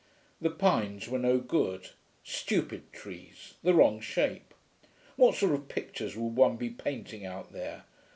The pines were no good: stupid trees, the wrong shape. What sort of pictures would one be painting out there?